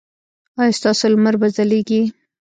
ایا ستاسو لمر به ځلیږي؟